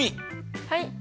はい。